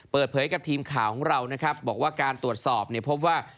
เปิดเผยกับทีมข่าวของเรานะครับบอกว่าการตรวจสอบเนี่ยพบว่า